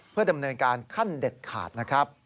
เพื่อดำเนินการขั้นเด็ดขาดนะครับ